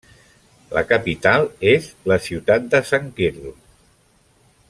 La capital és la ciutat de Çankırı.